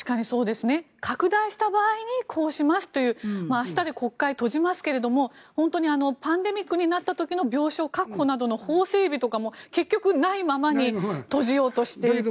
拡大した場合にこうしますという明日で国会は閉じますがパンデミックになった時の病床確保などの法整備とかも結局ないままに閉じようとしていて。